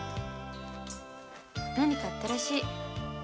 何かあったらしい。